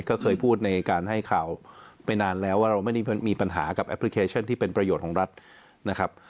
ก็เคยพูดในการให้ข่าวไปนานแล้วว่าเราไม่ได้มีปัญหากับแอปพลิเคชันที่เป็นประโยชน์ของรัฐนะครับ